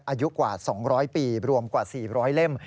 อายุกว่า๒๐๐ปีรวมกว่า๔๐๐เล่ม